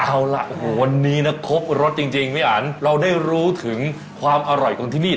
เอาล่ะโอ้โหวันนี้นะครบรสจริงพี่อันเราได้รู้ถึงความอร่อยของที่นี่